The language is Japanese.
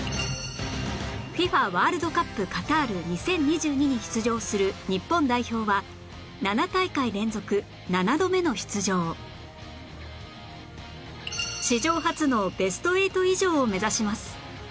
ＦＩＦＡ ワールドカップカタール２０２２に出場する日本代表は史上初のベスト８以上を目指します